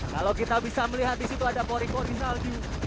kalau kita bisa melihat di situ ada pori kori saldi